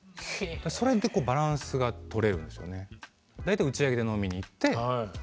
それで結構バランスが取れるんですよね。